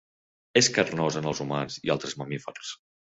És carnosa en els humans i altres mamífers.